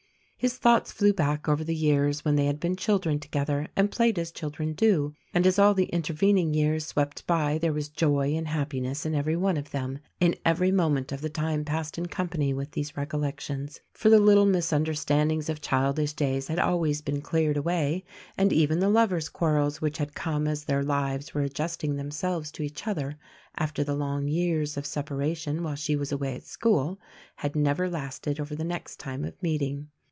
His thoughts flew back over the years when they had been children together, and played as children do; and as all the intervening years swept by there was joy and hap piness in every one of them — in every moment of the time passed in company with these recollections. For the little misunderstandings of childish days had always been cleared away; and even the lover's quarrels, which had come as their lives were adjusting themselves to each other — after the long years of separation while she was away at school — had never lasted over the next time of meeting.